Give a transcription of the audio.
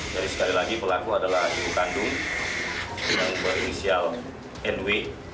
jadi sekali lagi pelaku adalah ibu kandung yang berinisial nw